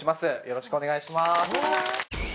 よろしくお願いします。